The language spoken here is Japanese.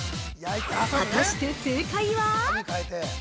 ◆果たして正解は。